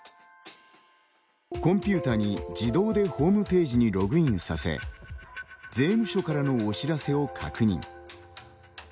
コンピュータに、自動でホームページにログインさせ税務署からのお知らせを確認。